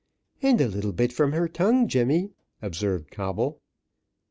"And a little bit from her tongue, Jemmy," observed Coble.